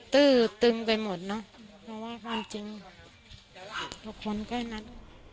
ตื้อตึงไปหมดเนอะเพราะว่าความจริงเพราะคนใกล้นั้น